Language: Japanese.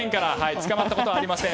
捕まったことはありません。